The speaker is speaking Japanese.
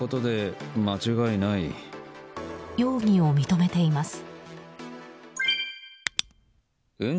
容疑を認めています。